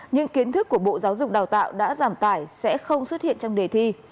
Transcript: những kiến thức của bộ giáo dục đào tạo đã giảm tải sẽ không xuất hiện trong đề thi